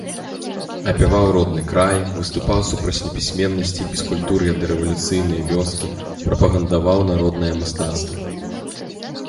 Апяваў родны край, выступаў супраць непісьменнасці і бескультур'я дарэвалюцыйнай вёскі, прапагандаваў народнае мастацтва.